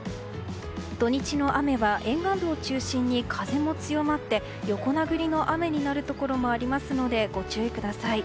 土日の雨は沿岸部を中心に風も強まって横殴りの雨になるところもありますので、ご注意ください。